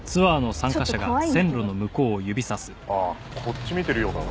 ああこっち見てるようだな。